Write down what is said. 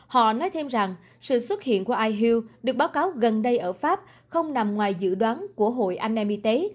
họ nói thêm rằng sự xuất hiện của ihu được báo cáo gần đây ở pháp không nằm ngoài dự đoán của hội anam y tế